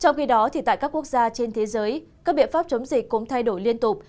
trong khi đó tại các quốc gia trên thế giới các biện pháp chống dịch cũng thay đổi liên tục